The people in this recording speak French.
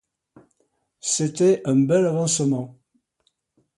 C’était un bel avancement.